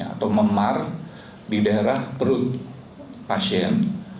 atau memar di daerah perut pasien